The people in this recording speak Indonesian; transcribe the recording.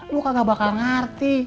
lu kagak bakal ngerti